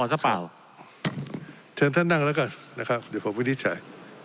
อเจมส์เชิญท่านนั่งแล้วก่อนนะครับเดี๋ยวผมรู้สึกใจ